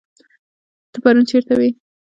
ته پرون چيرته وي